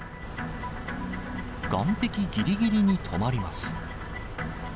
岸壁ぎりぎりに止まります。